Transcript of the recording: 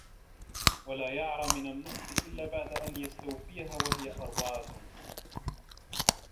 وَلَا يَعْرَى مِنْ النَّقْصِ إلَّا بَعْدَ أَنْ يَسْتَوْفِيَهَا وَهِيَ أَرْبَعَةٌ